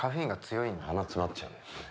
鼻詰まっちゃうんだよね。